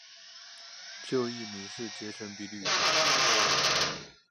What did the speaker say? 旧艺名是结城比吕。